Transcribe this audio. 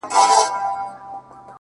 عجب راگوري د خوني سترگو څه خون راباسـي.!